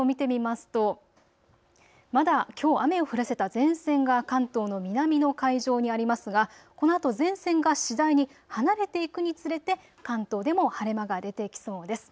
まずあすの天気図を見てみますとまだきょう雨を降らせた前線が関東の南の海上にありますがこのあと前線が次第に離れていくにつれて関東でも晴れ間が出てきそうです。